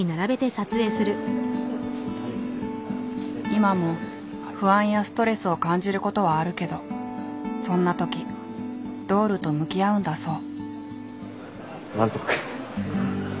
今も不安やストレスを感じることはあるけどそんなときドールと向き合うんだそう。